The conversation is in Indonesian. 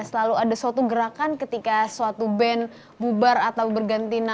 selalu ada suatu gerakan ketika suatu band bubar atau bergantian